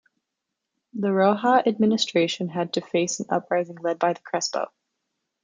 The Rojas administration had to face an uprising led by Crespo.